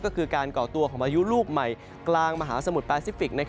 ก็คือการก่อตัวของพายุลูกใหม่กลางมหาสมุทรแปซิฟิก